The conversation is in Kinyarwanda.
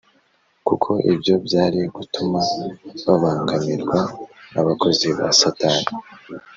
kuko ibyo byari gutuma babangamirwa n’abakozi ba satani